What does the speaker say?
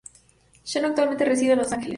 Shannon actualmente reside en Los Ángeles.